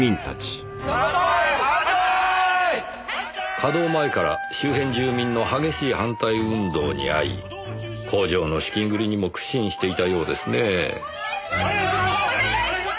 稼働前から周辺住民の激しい反対運動に遭い工場の資金繰りにも苦心していたようですねえ。